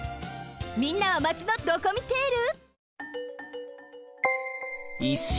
みんなはマチのドコミテール？